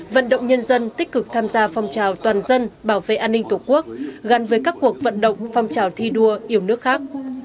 vận động nhân dân tích cực tham gia phong trào toàn dân bảo vệ an ninh tổ quốc gắn với các cuộc vận động phong trào thi đua yêu nước khác